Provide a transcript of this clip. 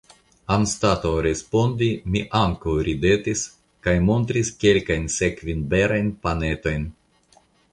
Anstataŭ respondi mi ankaŭ ridetis kaj montris kelkajn sekvinberajn panetojn.